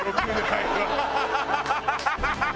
ハハハハ！